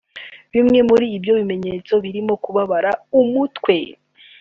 Bimwe muri ibyo bimenyetso birimo Kubabara umutwe